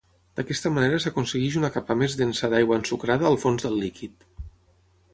D'aquesta manera s'aconsegueix una capa més densa d'aigua ensucrada al fons del líquid.